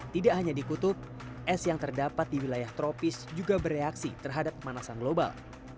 tidak hanya di kutub es yang terdapat di wilayah tropis juga bereaksi terhadap pemanasan global